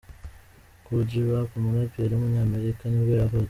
Kool G Rap, umuraperi w’umunyamerika nibwo yavutse.